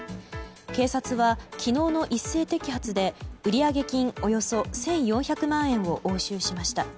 警察は昨日の一斉摘発で売上金およそ１４００万円を押収しました。